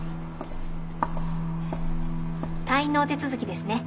退院のお手続きですね。